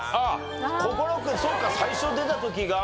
心君そっか最初に出た時が。